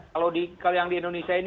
kalau yang di indonesia ini